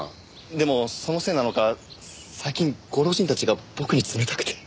でもそのせいなのか最近ご老人たちが僕に冷たくて。